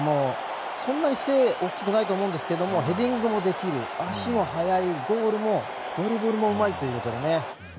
そんなに背大きくないと思うんですけどヘディングもできる足も速いゴールもドリブルもうまいと。